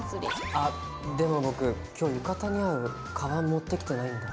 あっでも僕今日浴衣に合うカバン持ってきてないんだ。